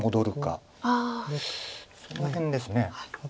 その辺です。